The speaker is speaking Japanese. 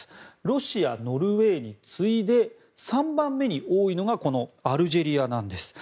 ロシア、ノルウェーに次いで３番目に多いのがこのアルジェリアなんです。